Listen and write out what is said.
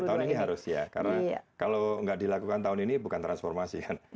tahun ini harus ya karena kalau nggak dilakukan tahun ini bukan transformasi kan